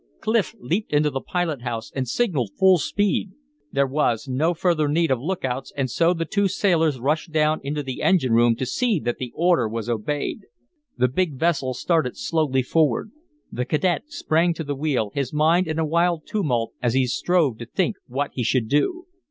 Clif leaped into the pilot house and signaled full speed. There was no further need of lookouts and so the two sailors rushed down into the engine room to see that the order was obeyed. The big vessel started slowly forward. The cadet sprang to the wheel, his mind in a wild tumult as he strove to think what he should do.